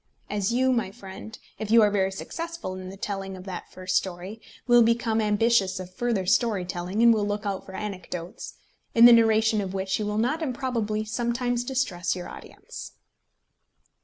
As you, my friend, if you are very successful in the telling of that first story, will become ambitious of further story telling, and will look out for anecdotes, in the narration of which you will not improbably sometimes distress your audience.